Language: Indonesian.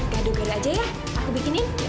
gaduh gaduh aja ya aku bikinin